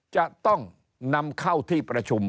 จะต้องนำเข้าที่ประชุม